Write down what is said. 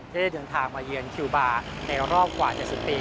ได้เดินทางมาเยือนคิวบาร์ในรอบกว่า๗๐ปี